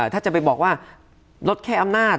ถ้าจะไปบอกว่าลดแค่อำนาจ